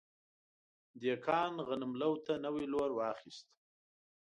دهقان غنم لو ته نوی لور واخیست.